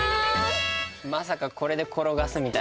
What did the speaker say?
まさかこれで転がすみたいな？